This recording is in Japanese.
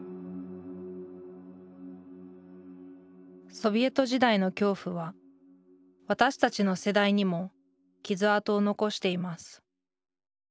ソビエト時代の恐怖は私たちの世代にも傷痕を残しています